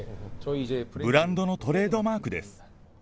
ブランドのトレードマークです。